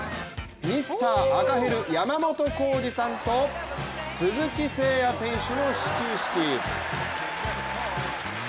ミスター赤ヘル・山本浩二さんと鈴木誠也選手の始球式。